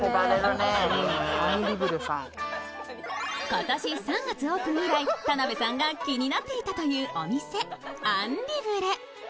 今年３月オープン以来、田辺さんが気になっていたというお店、ＵＮＬＩＶＲＥ。